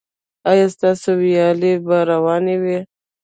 ایا ستاسو ویالې به روانې وي؟